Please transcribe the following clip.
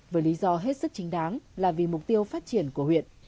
với lý do hết sức chính đáng là vì mục tiêu phát triển của huyện